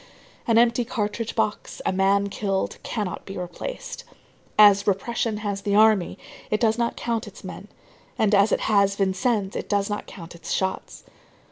An empty cartridge box, a man killed, cannot be replaced. As repression has the army, it does not count its men, and, as it has Vincennes, it does not count its shots.